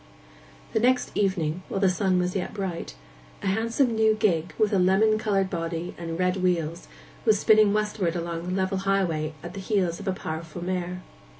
The next evening, while the sun was yet bright, a handsome new gig, with a lemon coloured body and red wheels, was spinning westward along the level highway at the heels of a powerful mare.